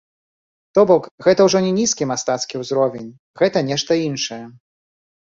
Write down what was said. То бок, гэта ўжо не нізкі мастацкі ўзровень, гэта нешта іншае.